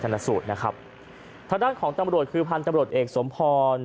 ทางด้านของตำรวจคือพันธุ์ตำรวจเอกสมพร